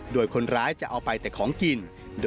โดยคนร้ายจะเอาไปแต่ของกิน